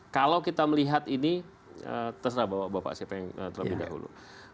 kalau kita melihat ini terserah bapak siapa yang terlebih dahulu